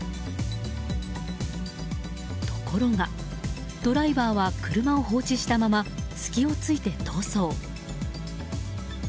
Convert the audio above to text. ところがドライバーは車を放置したまま隙を突いて逃走。